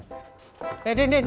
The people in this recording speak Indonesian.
lalu perempuan takut